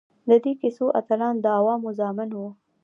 د دې کیسو اتلان د عوامو زامن وو.